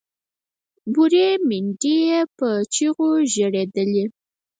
بورې میندې یې په چیغو ژړېدلې